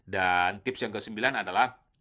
dan tips yang ke sembilan adalah